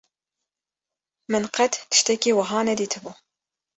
Min qet tiştekî wiha nedîtibû.